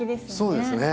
そうですね。